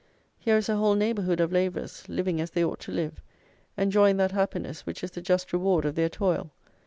Here is a whole neighbourhood of labourers living as they ought to live; enjoying that happiness which is the just reward of their toil.